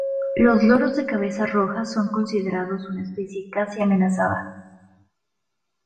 Los loros de cabeza roja son considerados una especie casi amenazada.